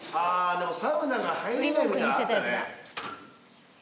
でもサウナが入れないみたいなのあったね。